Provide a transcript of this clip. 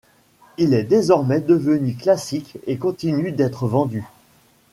Il est désormais devenu un classique et continue d’être vendu.